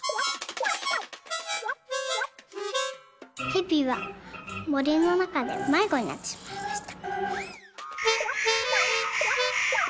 「へびはもりのなかでまいごになってしまいました」。